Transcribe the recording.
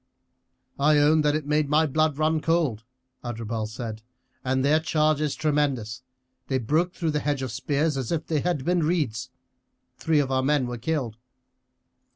"I own that it made my blood run cold," Adherbal said; "and their charge is tremendous they broke through the hedge of spears as if they had been reeds. Three of our men were killed."